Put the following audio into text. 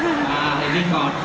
teman gue akan bikin semua sini